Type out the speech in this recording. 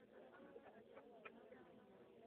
ایا فاسټ فوډ خورئ؟